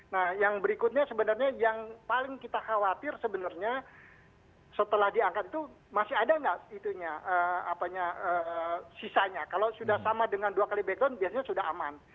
nah yang berikutnya sebenarnya yang paling kita khawatir sebenarnya setelah diangkat itu masih ada nggak itunya sisanya kalau sudah sama dengan dua kali background biasanya sudah aman